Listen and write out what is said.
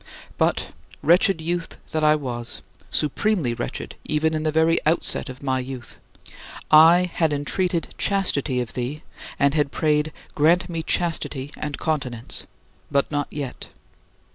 But, wretched youth that I was supremely wretched even in the very outset of my youth I had entreated chastity of thee and had prayed, "Grant me chastity and continence, but not yet."